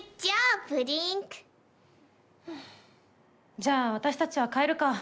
じゃあ私たちは帰るか。